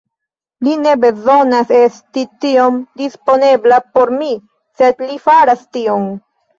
Li ne bezonas esti tiom disponebla por mi, sed li faras tion.